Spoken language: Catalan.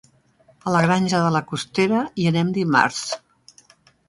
A la Granja de la Costera hi anem dimarts.